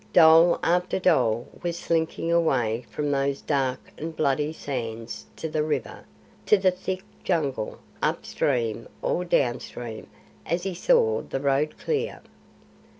Dhole after dhole was slinking away from those dark and bloody sands to the river, to the thick Jungle, up stream or down stream as he saw the road clear.